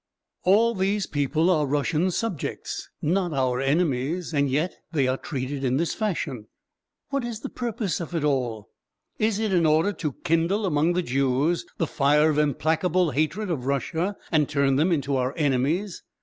All these people are Russian subjects, not our enemies, and yet they are treated in this fashion. What is the purpose of it all? Is it in order to kindle among the Jews the fire of implacable hatred of Russia and turn them into our enemies?